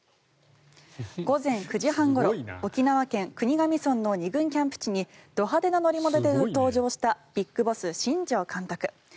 午前９時半ごろ沖縄県国頭村の２軍キャンプ地にど派手な乗り物で登場したＢＩＧＢＯＳＳ、新庄監督。